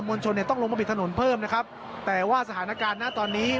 ลชนเนี่ยต้องลงมาบิดถนนเพิ่มนะครับแต่ว่าสถานการณ์นะตอนนี้